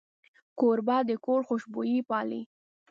کوربه د کور خوشبويي پالي.